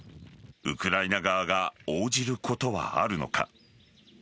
ウクライナ側が応じることはあるのか。